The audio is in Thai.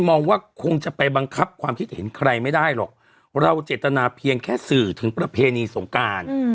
มองว่าคงจะไปบังคับความคิดเห็นใครไม่ได้หรอกเราเจตนาเพียงแค่สื่อถึงประเพณีสงการ